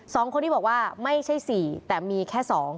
สองคนที่บอกว่าไม่ใช่๔แต่มีแค่๒